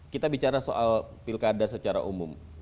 kita bicara soal pilkada secara umum